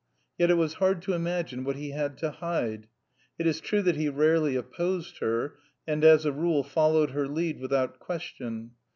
Yet it was hard to imagine what he had to hide. It is true that he rarely opposed her and as a rule followed her lead without question.